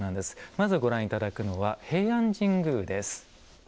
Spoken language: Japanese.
まずご覧頂くのは平安神宮です。